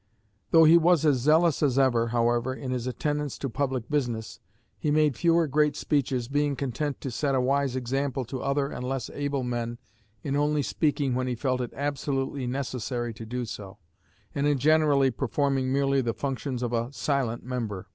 Though he was as zealous as ever, however, in his attendance to public business, he made fewer great speeches, being content to set a wise example to other and less able men in only speaking when he felt it absolutely necessary to do so, and in generally performing merely the functions of a "silent member."